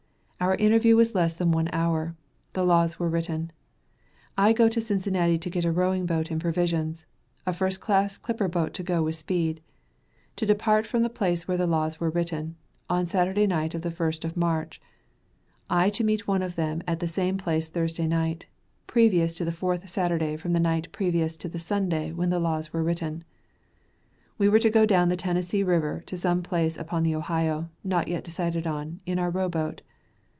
Our interview was less than one hour; the laws were written. I to go to Cincinnati to get a rowing boat and provisions; a first class clipper boat to go with speed. To depart from the place where the laws were written, on Saturday night of the first of March. I to meet one of them at the same place Thursday night, previous to the fourth Saturday from the night previous to the Sunday when the laws were written. We to go down the Tennessee river to some place up the Ohio, not yet decided on, in our row boat.